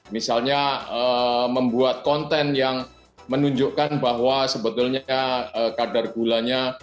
misalnya membuat konten yang menunjukkan bahwa sebetulnya kadar gulanya